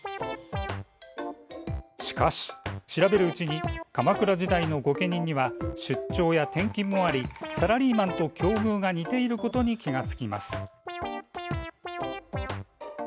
しかし、調べるうちに鎌倉時代の御家人には出張や転勤もありサラリーマンと境遇が似ていることに気が付きます。